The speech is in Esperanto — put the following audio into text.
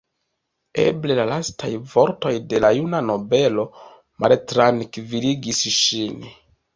Eble la lastaj vortoj de la juna nobelo maltrankviligis ŝin.